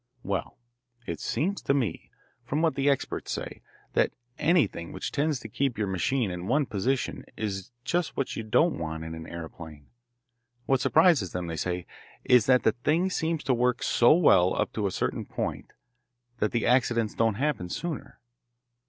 "Well, it seems to me, from what the experts say, that anything which tends to keep your machine in one position is just what you don't want in an aeroplane. What surprises them, they say, is that the thing seems to work so well up to a certain point that the accidents don't happen sooner.